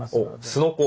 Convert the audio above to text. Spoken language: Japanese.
すのこ。